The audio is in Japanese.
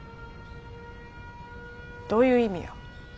どういう意味や。